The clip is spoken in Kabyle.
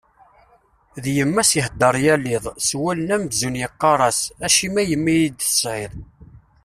D yemma-s ihedder yal iḍ, s wallen amzun yeqqar-as: Acimi a yemma i iyi-d-tesɛiḍ?